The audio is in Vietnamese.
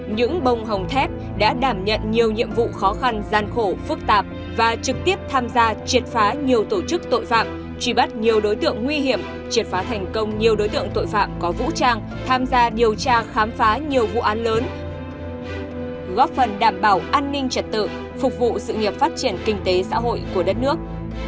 những bông hồng thép đã đảm nhận nhiều nhiệm vụ khó khăn gian khổ phức tạp và trực tiếp tham gia triệt phá nhiều tổ chức tội phạm truy bắt nhiều đối tượng nguy hiểm triệt phá thành công nhiều đối tượng tội phạm có vũ trang tham gia điều tra khám phá nhiều vụ án lớn góp phần đảm bảo an ninh trật tự phục vụ sự nghiệp phát triển kinh tế xã hội của đất nước